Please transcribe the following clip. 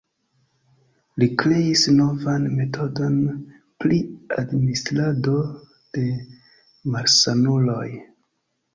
Li kreis novan metodon pri administrado de malsanuloj.